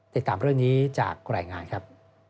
ติดตามเรื่องนี้จากรายงานครับ